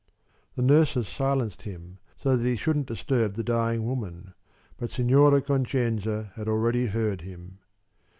The nurses silenced him, so that he shouldn't disturb the dying woman, but Signora Concenza had already heard him.